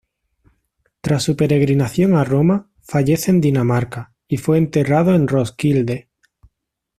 Tras su peregrinación a Roma, fallece en Dinamarca, y fue enterrado en Roskilde.